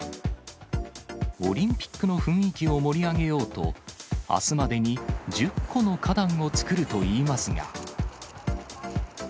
オリンピックの雰囲気を盛り上げようと、あすまでに１０個の花壇を作るといいますが。